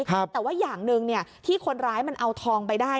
แต่ว่าอย่างหนึ่งที่คนร้ายมันเอาทองไปได้